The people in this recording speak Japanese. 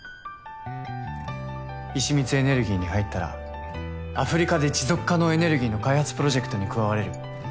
石光エネルギーに入ったらアフリカで持続可能エネルギーの開発プロジェクトに加われる。